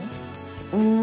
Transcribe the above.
うん。